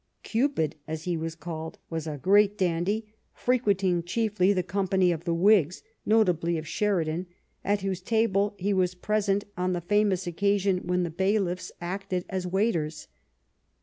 " Cupid,'' as he was called, was a great dandy, frequenting chiefly the company of the Whigs^ notably of Sheridan, at whose table he was present on the famous occasion when the bailiffs acted 14 LIFE OF VISCOUNT PALMEE8T0N. as waiters.